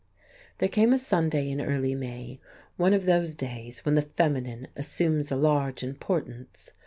There came a Sunday in early May, one of those days when the feminine assumes a large importance.